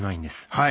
はい。